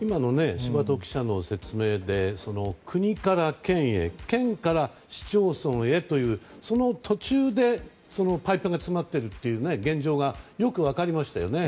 柴戸記者の説明で国から県へ県から市町村へというその途中でパイプが詰まっているという現状がよく分かりましたよね。